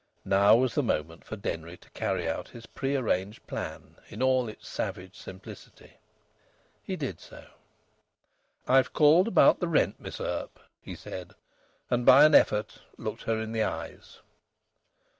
Now was the moment for Denry to carry out his pre arranged plan in all its savage simplicity. He did so. "I've called about the rent, Miss Earp," he said, and by an effort looked her in the eyes.